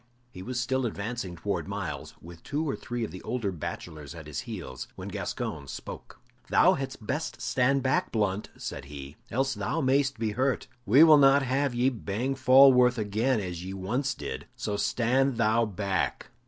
He was still advancing towards Myles, with two or three of the older bachelors at his heels, when Gascoyne spoke. "Thou hadst best stand back, Blunt," said he, "else thou mayst be hurt. We will not have ye bang Falworth again as ye once did, so stand thou back!"